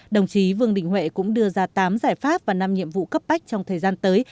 đồng chí vương đình huệ cũng đưa ra tám giải pháp và năm nhiệm vụ cấp bách trong thời gian tới